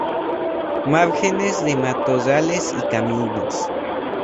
Márgenes de matorrales y caminos.